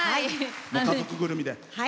家族ぐるみで。